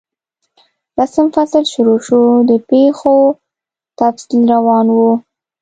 لسم فصل شروع شو، د پیښو تفصیل روان وو.